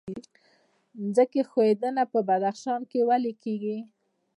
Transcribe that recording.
ځمکې ښویدنه په بدخشان کې ولې کیږي؟